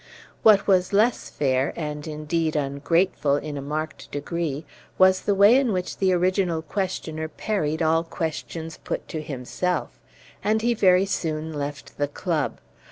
What was less fair, and indeed ungrateful in a marked degree, was the way in which the original questioner parried all questions put to himself; and he very soon left the club.